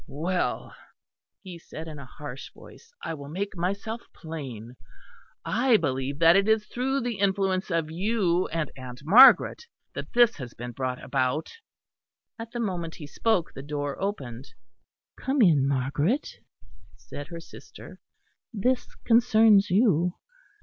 "Well," he said, in a harsh voice, "I will make myself plain. I believe that it is through the influence of you and Aunt Margaret that this has been brought about." At the moment he spoke the door opened. "Come in, Margaret," said her sister, "this concerns you."